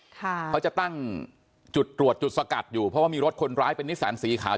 เขาจะตั้งจุดตรวจจุดสกัดอยู่เพราะว่ามีรถคนร้ายเป็นนิสสันสีขาว